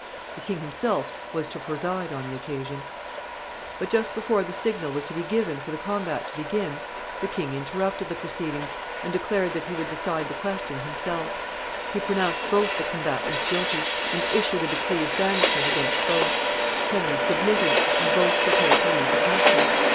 The king himself was to preside on the occasion. [Sidenote: Henry is sent into banishment.] But just before the signal was to be given for the combat to begin, the king interrupted the proceedings, and declared that he would decide the question himself. He pronounced both the combatants guilty, and issued a decree of banishment against both. Henry submitted, and both prepared to leave the country.